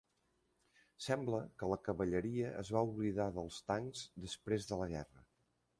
Sembla que la cavalleria es va oblidar dels tancs després de la guerra.